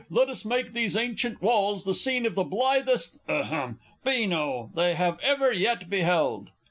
Let us make these ancient walls the scene of the blithest ahem! beano they have ever yet beheld!